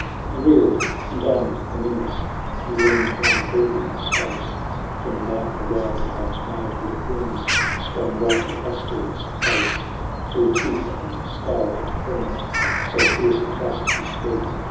XLV. He reeled, and on Herminius He leaned one breathing space ; Then, like a wild cat mad with wounds. Sprang right at Astur's face. Through teeth, and skull, and helmet, So fierce a thrust he sped.